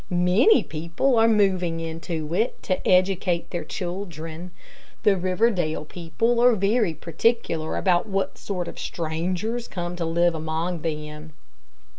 Many people are moving into it, to educate their children. The Riverdale people are very particular about what sort of strangers come to live among them.